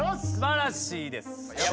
素晴らしいです。